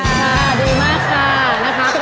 ค่ะดีมากค่ะนะคะ